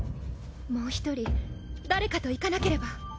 もう１人誰かと行かなければ。